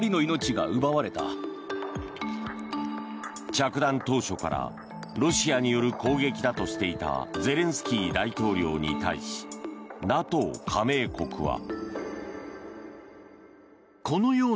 着弾当初からロシアによる攻撃だとしていたゼレンスキー大統領に対しＮＡＴＯ加盟国は。